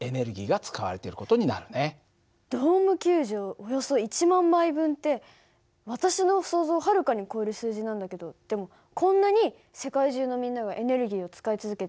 およそ１万杯分って私の想像をはるかに超える数字なんだけどでもこんなに世界中のみんながエネルギーを使い続けて大丈夫なの？